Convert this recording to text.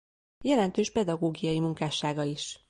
Jelentős pedagógiai munkássága is.